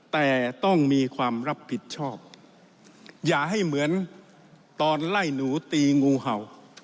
แต่ต้องมีความรับผิดชอบอย่าให้เหมือนตอนไล่หนูตีงูเห่า